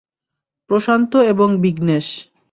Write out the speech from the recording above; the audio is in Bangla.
প্রশান্ত এবং বিঘ্নেশ।